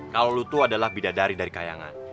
kalau lu tuh adalah bidadari dari kayangan